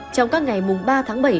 trong các ngày mùng ba tháng bảy